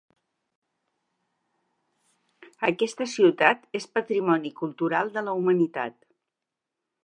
Aquesta ciutat és Patrimoni Cultural de la Humanitat.